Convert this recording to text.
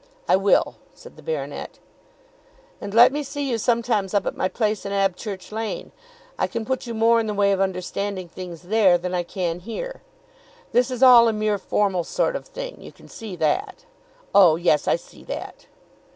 "I will," said the baronet. "And let me see you sometimes up at my place in Abchurch Lane. I can put you more in the way of understanding things there than I can here. This is all a mere formal sort of thing. You can see that." "Oh yes, I see that."